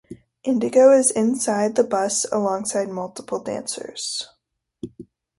Indigo is inside the bus alongside multiple dancers.